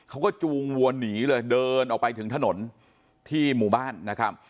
จูงวัวหนีเลยเดินออกไปถึงถนนที่หมู่บ้านนะครับ